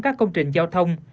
các công trình giao thông